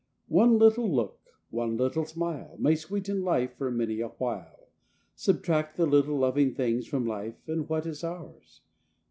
One little look, one little smile, May sweeten life for many a while, Subtract the little loving things from life and what is ours?